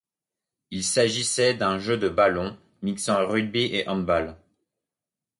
Il s'agissait d'un jeu de ballon mixant rugby et handball.